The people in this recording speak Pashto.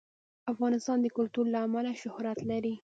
افغانستان د کلتور له امله شهرت لري.